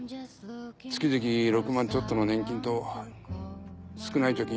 月々６万ちょっとの年金と少ない貯金